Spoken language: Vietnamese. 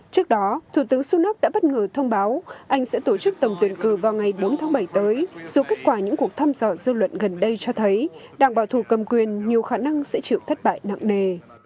trước đó thủ tướng sunak đã bất ngờ thông báo anh sẽ tổ chức tổng tuyển cử vào ngày bốn tháng bảy tới dù kết quả những cuộc thăm dò dư luận gần đây cho thấy đảng bảo thủ cầm quyền nhiều khả năng sẽ chịu thất bại nặng nề